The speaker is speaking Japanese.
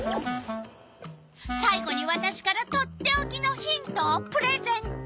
さい後にわたしからとっておきのヒントをプレゼント。